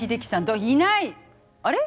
あれ？